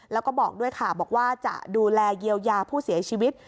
แล้วก็บอกด้วยค่ะบอกว่าจะดูแลเยียวยาผู้เสียชีวิต